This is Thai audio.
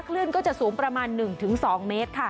คลื่นก็จะสูงประมาณ๑๒เมตรค่ะ